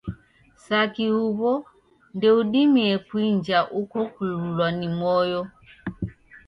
Saki huw'o, ndoudimie kuinja uko kululwa ni moyo.